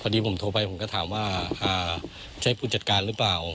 พอดีผมโทรไปผมก็ถามว่าใช่ผู้จัดการหรือเปล่า